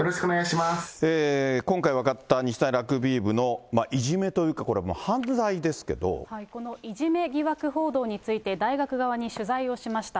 今回分かった日大ラグビー部のいじめというか、これもう犯罪このいじめ疑惑報道について、大学側に取材をしました。